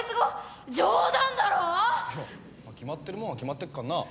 いや決まってるもんは決まってっからな。